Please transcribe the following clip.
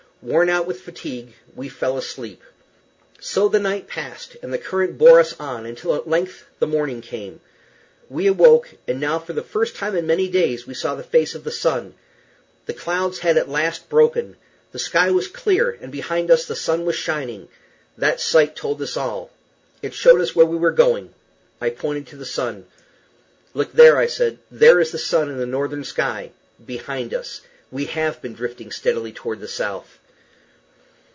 Worn out with fatigue, we fell asleep. So the night passed, and the current bore us on until, at length, the morning came. We awoke, and now, for the first time in many days, we saw the face of the sun. The clouds had at last broken, the sky was clear, and behind us the sun was shining. That sight told us all. It showed us where we were going. I pointed to the sun. "Look there," said I. "There is the sun in the northern sky behind us. We have been drifting steadily toward the south."